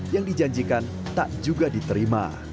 yang dijanjikan tak juga diterima